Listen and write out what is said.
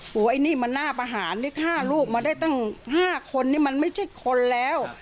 ไอ้นี่มันน่าประหารนี่ฆ่าลูกมาได้ตั้ง๕คนนี่มันไม่ใช่คนแล้ว